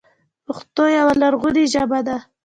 پښتو یوه لرغونې ژبه ده.